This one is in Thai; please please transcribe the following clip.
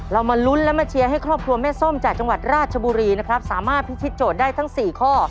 มาลุ้นและมาเชียร์ให้ครอบครัวแม่ส้มจากจังหวัดราชบุรีนะครับสามารถพิธีโจทย์ได้ทั้ง๔ข้อ